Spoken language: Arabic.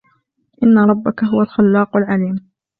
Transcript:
إِنَّ رَبَّكَ هُوَ الْخَلَّاقُ الْعَلِيمُ